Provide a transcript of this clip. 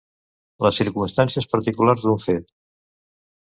Les circumstàncies particulars d'un fet.